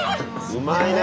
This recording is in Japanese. うまいね！